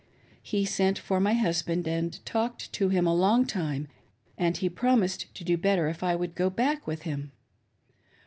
He sent for my husband and talked to him a long time, and he promised to do better if I would go back with him..